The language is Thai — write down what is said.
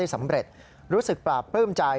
สำเร็จรู้สึกปราบปลื้มใจ